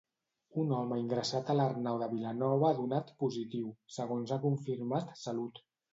Un home ingressat a l'Arnau de Vilanova ha donat positiu, segons ha confirmat Salut.